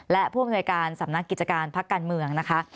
และผู้อำนวยการสำนักกิจการพักการเมืองนะคะ